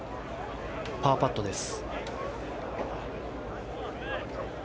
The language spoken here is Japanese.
パーパットです。